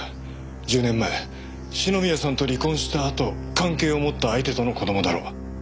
１０年前篠宮さんと離婚したあと関係を持った相手との子供だろう。